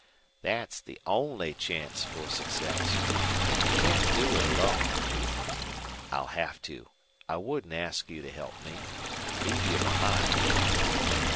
"Thet's the ONLY chance fer success. An' you can't do it alone." "I'll have to. I wouldn't ask you to help me. Leave you behind!"